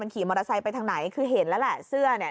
ขี่มอเตอร์ไซค์ไปทางไหนคือเห็นแล้วแหละเสื้อเนี่ย